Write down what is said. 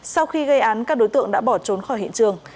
sau khi gây án các đối tượng đã bỏ trốn khỏi hiện trường